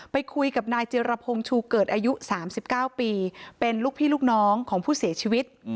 ไปคุยกับนายเจรพงศ์ชูเกิดอายุ๓๙ปีเป็นลูกพี่ลูกน้องของผู้เสียชีวิต